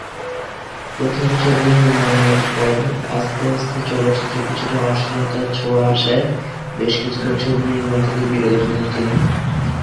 প্রথম ছবি নির্মাণের পর আস্তে আস্তে চলচ্চিত্রে কিছুটা অশ্লীলতার ছোঁয়া আসায় বেশ কিছুদিন ছবি নির্মাণ থেকে বিরত থাকেন তিনি।